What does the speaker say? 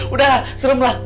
udah lah serem lah